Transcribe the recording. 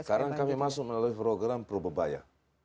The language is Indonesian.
sekarang kami masuk melalui program probebaya